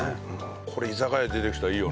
これ居酒屋で出てきたらいいよね。